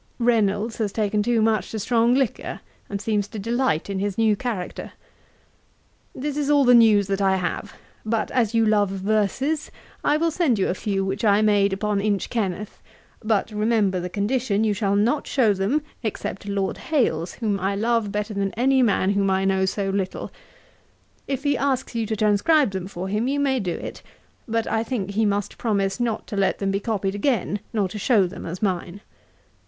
'Reynolds has taken too much to strong liquor, and seems to delight in his new character. 'This is all the news that I have; but as you love verses, I will send you a few which I made upon Inchkenneth; but remember the condition, you shall not show them, except to Lord Hailes, whom I love better than any man whom I know so little. If he asks you to transcribe them for him, you may do it, but I think he must promise not to let them be copied again, nor to show them as mine.